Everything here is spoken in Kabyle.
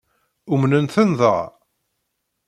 Umnen-ten dɣa?